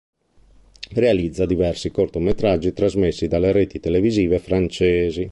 Realizza diversi cortometraggi trasmessi dalle reti televisive francesi.